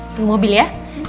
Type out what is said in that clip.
tunggu mobil ya